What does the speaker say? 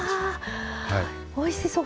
おいしそう！